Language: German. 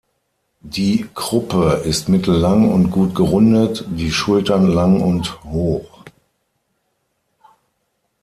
Die Kruppe ist mittellang und gut gerundet, die Schultern lang und hoch.